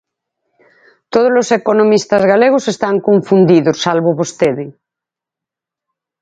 Todos os economistas galegos están confundidos, salvo vostede.